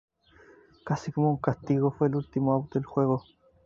Casi como un castigo fue el último out del juego.